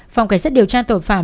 phòng cảnh sát điều tra tội phạm